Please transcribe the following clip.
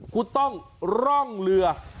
คุณต้องร่องเรือ